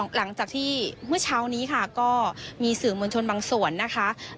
หลังจากที่เมื่อเช้านี้ค่ะก็มีสื่อมวลชนบางส่วนนะคะ